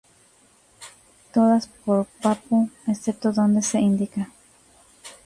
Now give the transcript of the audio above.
Todas por Pappo, excepto donde se indica.